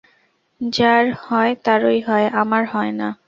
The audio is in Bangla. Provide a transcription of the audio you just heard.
যার হয় তারই হয়, আমার হয় না।